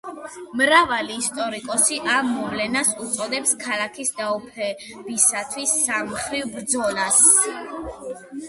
მრავალი ისტორიკოსი ამ მოვლენას უწოდებს ქალაქის დაუფლებისათვის „სამმხრივ ბრძოლას“.